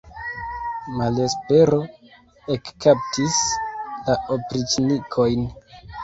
Malespero ekkaptis la opriĉnikojn.